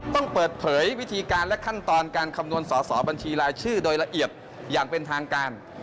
ต้องเปิดเผยวิธีการและขั้นตอนการคำนวณสอสอบัญชีรายชื่อโดยละเอียดอย่างเป็นทางการ